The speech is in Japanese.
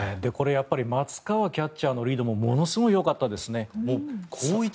これやっぱり松川キャッチャーのリードもものすごいよかったですね。